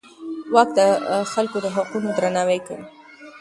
واک د خلکو د حقونو درناوی کوي.